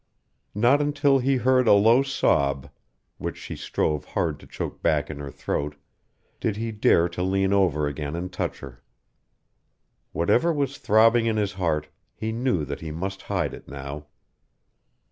Not until he heard a low sob, which she strove hard to choke back in her throat, did he dare to lean over again and touch her. Whatever was throbbing in his heart, he knew that he must hide it now.